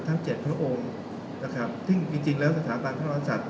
เจ็ดพระองค์นะครับซึ่งจริงแล้วสถาบันพระมหาศัตริย์